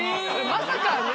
まさかね